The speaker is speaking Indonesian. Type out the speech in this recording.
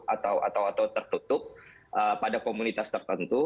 atau tertutup pada komunitas tertentu